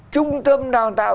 trung tâm đào tạo